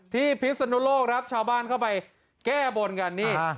พิศนุโลกครับชาวบ้านเข้าไปแก้บนกันนี่